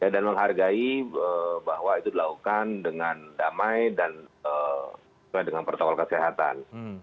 dan menghargai bahwa itu dilakukan dengan damai dan dengan protokol kesehatan